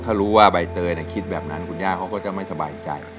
ถ้ารู้ว่าใบเตยคิดแบบนั้นคุณย่าเขาก็จะไม่สบายใจ